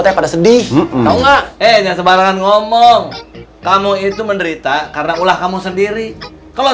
teh pada sedih tahu enggak eh sebarangan ngomong kamu itu menderita karena ulah kamu sendiri kalau